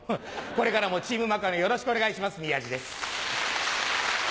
これからもチームマカロンよろしくお願いします宮治です。